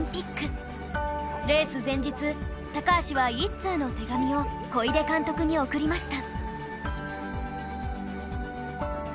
レース前日高橋は一通の手紙を小出監督に送りました